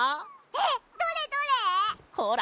えっどれどれ？